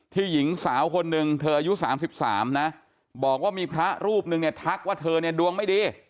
หญิงสาวคนหนึ่งเธออายุ๓๓นะบอกว่ามีพระรูปหนึ่งเนี่ยทักว่าเธอเนี่ยดวงไม่ดี